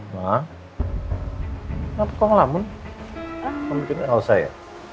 ma kenapa kau ngelamun kamu bikin hal saya